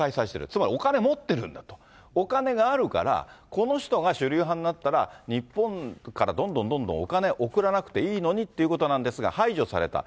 つまりお金持ってるんだと、お金があるから、この人が主流派になったら、日本からどんどんどんどんお金送らなくていいのにということなんですが、排除された。